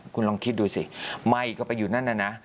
คุณลองคิดดูสิไหม้ก็ไปอยู่นั่นน่ะนะ